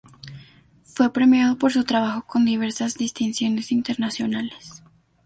Fue premiado por su trabajo con diversas distinciones internacionales.